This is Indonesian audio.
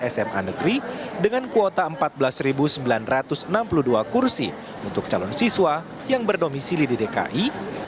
sma negeri dengan kuota empat belas sembilan ratus enam puluh dua kursi untuk calon siswa yang berdomisili di dki